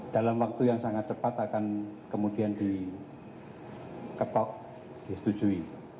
dalam waktu yang sangat tepat akan kemudian diketok disetujui